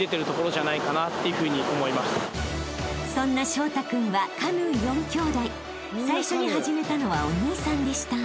［そんな彰太君はカヌー４兄弟］［最初に始めたのはお兄さんでした］